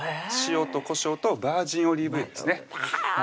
塩とこしょうとバージンオリーブ油ですね